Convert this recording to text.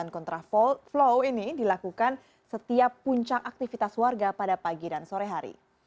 kontraflow ini dilakukan setiap puncak aktivitas warga pada pagi dan sore hari